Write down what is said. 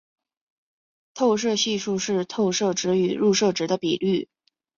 透射系数是透射值与入射值的比率。